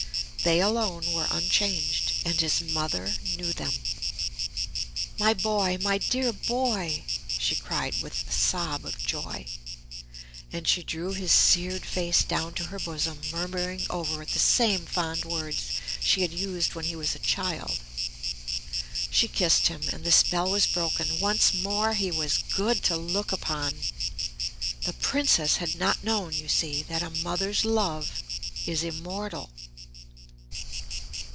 They alone were unchanged, and his mother knew them. 'My boy my dear boy!' she cried with a sob of joy. And she drew his seared face down to her bosom, murmuring over it the same fond words she had used when he was a child. She kissed him, and the spell was broken; once more he was good to look upon.... The Princess had not known, you see, that a mother's love is immortal."